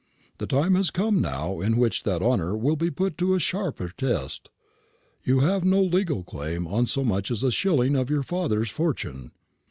The time has now come in which that honour will be put to a sharper test. You have no legal claim on so much as a shilling of your father's fortune."